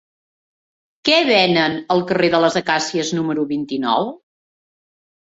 Què venen al carrer de les Acàcies número vint-i-nou?